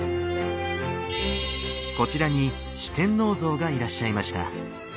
こちらに四天王像がいらっしゃいました。